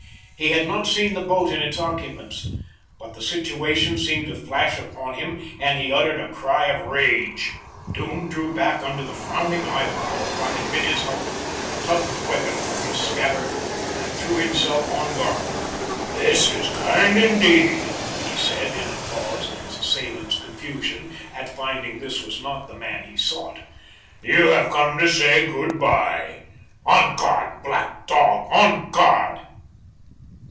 He had not seen the boat and its occupants, but the situation seemed to flash upon him, and he uttered a cry of rage. Doom drew back under the frowning eyebrow of what had been his home, tugged the weapon from his scabbard, and threw himself on guard. "This is kind, indeed," he said in a pause of his assailant's confusion at finding this was not the man he sought. "You have come to say 'Goodbye.' On guard, black dog, on guard!"